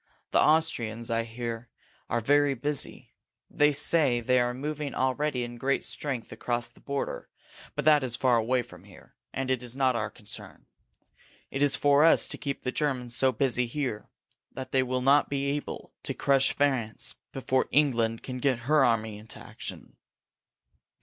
The Austrians, I hear, are very busy. They say they are moving already in great strength across the border, but that is far away from here, and it is not our concern. It is for us to keep the Germans so busy here that they will not be able to crush France before England can get her army into action.